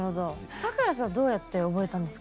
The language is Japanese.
ＳＡＫＵＲＡさんどうやって覚えたんですか？